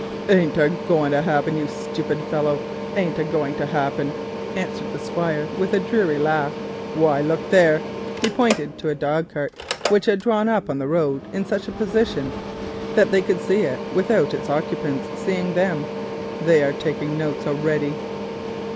"Ain't a going to happen, you stupid fellow, ain't a going to happen," answered the Squire with a dreary laugh. "Why, look there," and he pointed to a dog cart which had drawn up on the road in such a position that they could see it without its occupants seeing them; "they are taking notes already."